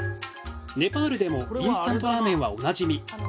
ネパールでもインスタントラーメンはおなじみ。